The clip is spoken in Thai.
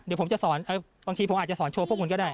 เดี๋ยวผมจะสอนบางทีผมอาจจะสอนโชว์พวกคุณก็ได้